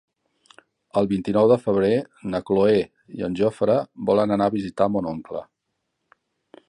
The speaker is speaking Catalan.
El vint-i-nou de febrer na Cloè i en Jofre volen anar a visitar mon oncle.